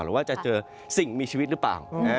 หรือว่าจะเจอสิ่งมีชีวิตหรือเปล่า